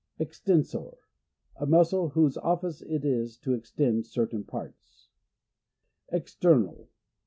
Extensor. — A muscle whose office it is to extend certain parts. External.